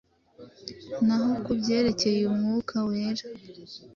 Naho kubyerekeye Umwuka Wera,